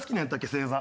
星座。